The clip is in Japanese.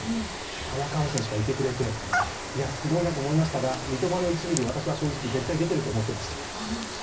田中選手がいてくれてすごいなと思いましたが三笘の１ミリ、私は正直絶対、出ていると思いました。